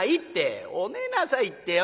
「お寝なさいってよ